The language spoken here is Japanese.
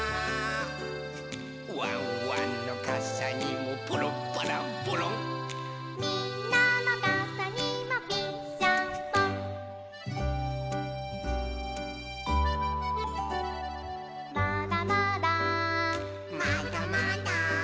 「ワンワンのかさにもポロンパランポロン」「みんなのかさにもピッシャンポン」「まだまだ」まだまだ。